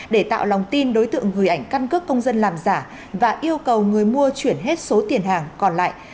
để tạo lòng tin đối tượng gửi ảnh căn cước công dân làm giả và yêu cầu người mua chuyển hết số tiền hàng còn lại